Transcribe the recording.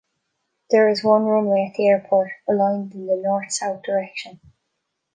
There is one runway at the airport, aligned in the north-south direction.